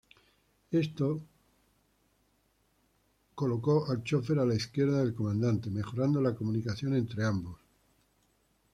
Esto posicionó al chofer a la izquierda del comandante, mejorando la comunicación entre ambos.